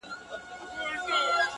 او د نورو بیا د واده کاروانونه